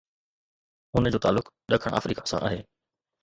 هن جو تعلق ڏکڻ آفريڪا سان آهي.